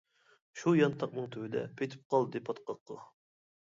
شۇ يانتاقنىڭ تۈۋىدە، پېتىپ قالدى پاتقاققا.